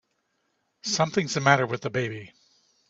Something's the matter with the baby!